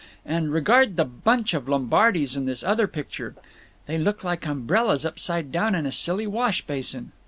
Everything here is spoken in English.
And regard the bunch of lombardies in this other picture. They look like umbrellas upside down in a silly wash basin.